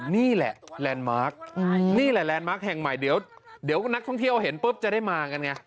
นี่แหละแห่งใหม่เดี๋ยวเดี๋ยวนักท่องเที่ยวเห็นปุ๊บจะได้มากันไง